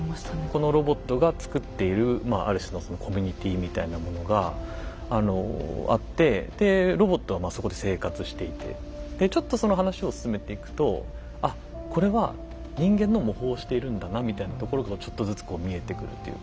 このロボットが作っているまあある種のコミュニティーみたいなものがあってでロボットはまあそこで生活していてでちょっとその話を進めていくとあっこれは人間の模倣をしているんだなみたいなところがちょっとずつ見えてくるっていうか。